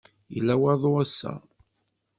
Yella waḍu ass-a.